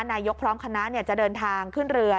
นายกพร้อมคณะจะเดินทางขึ้นเรือ